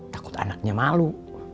takut anaknya malu